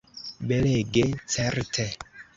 Belege, certe!